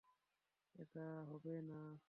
এটা হবে না।